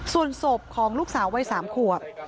ส่วนศพของลูกสาววัย๓ขวบ